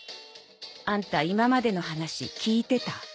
アンタ今までの話聞いてた？